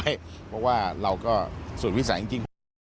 เพราะว่าเราก็ส่วนวิสัยจริงผม